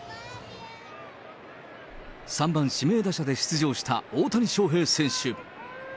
３番指名打者で出場した大谷翔平選手。